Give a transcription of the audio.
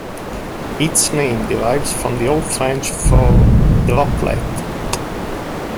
Its name derives from the Old French for "droplet".